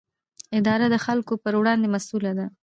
اداره د خلکو پر وړاندې مسووله ده.